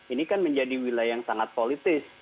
ini kan menjadi wilayah yang sangat politis